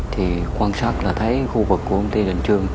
thì quan sát là thấy khu vực của công ty đình trương